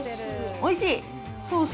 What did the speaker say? おいしい？